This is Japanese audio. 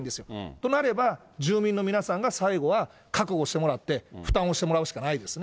となれば、住民の皆さんが最後は覚悟してもらって、負担をしてもらうしかないですね。